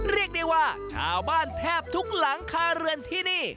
เรียกได้ว่าชาวบ้านแทบทุกหลังคาเรือนที่นี่